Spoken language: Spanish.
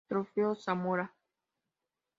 Trofeo Zamora.